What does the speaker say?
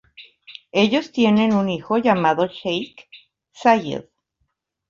Ellos tienen un hijo llamado Sheikh Zayed.